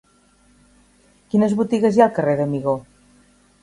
Quines botigues hi ha al carrer d'Amigó?